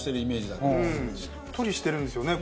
しっとりしてるんですよね